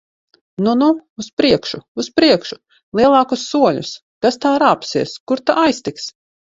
Nu, nu! Uz priekšu! Uz priekšu! Lielākus soļus! Kas tā rāpsies! Kur ta aiztiks!